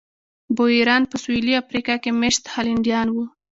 بویران په سوېلي افریقا کې مېشت هالنډیان وو.